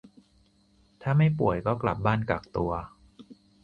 ถ้าไม่ป่วยก็กลับบ้านกักตัว